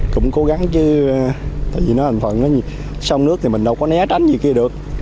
cũng cố gắng chứ tại vì nó hành phận sông nước thì mình đâu có né tránh gì kia được